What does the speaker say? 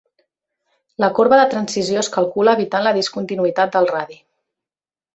La corba de transició es calcula evitant la discontinuïtat del radi.